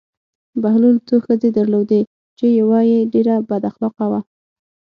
بهلول څو ښځې درلودې چې یوه یې ډېره بد اخلاقه وه.